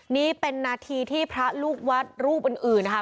นี่เป็นนาทีที่พระลูกวัดรูปอื่นนะคะ